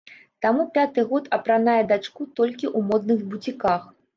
Таму пяты год апранае дачку толькі ў модных буціках.